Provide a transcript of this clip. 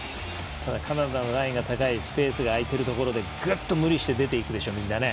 カナダのラインが高いスペースが空いてるところでぐっと無理して出ていくでしょみんなね。